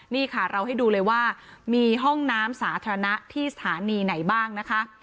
นี่ค่ะเราให้ดูเลยว่ามีห้องน้ำสาธารณะที่สถานีไหนบ้างนะคะ